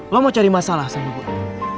lo mau cari masalah sama gue